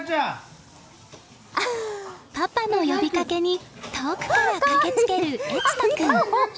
パパの呼びかけに遠くから駆けつける越斗君。